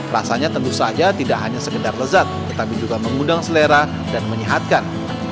rasanya tentu saja tidak hanya sekedar lezat tetapi juga mengundang selera dan menyehatkan